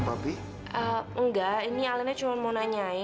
kau namanya regina putri promo ya pi